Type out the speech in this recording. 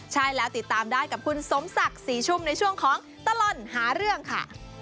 ใช่แล้วติดตามได้กับคุณสมศักดิ์ศรีชุ่มในช่วงของตลอดหาเรื่องค่ะ